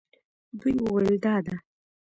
دوی وویل دا ده.